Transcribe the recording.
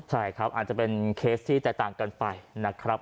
ใช่ครับอาจจะเป็นเคสที่แตกต่างกันไปนะครับ